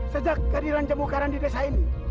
sejak kehadiran cembu karang di desa ini